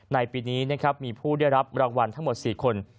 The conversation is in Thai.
ในปีนี้นะครับมีผู้ได้รับรางวัลทั้งหมด๔คน